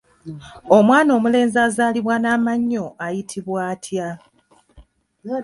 Omwana omulenzi azaalibwa n'amannyo ayitibwa atya?